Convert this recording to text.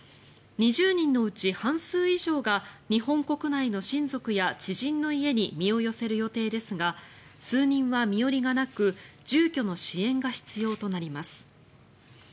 ２０人のうち半数以上が日本国内の親族や知人の家に身を寄せる予定ですが数人は身寄りがなく住居の支援が必要となります。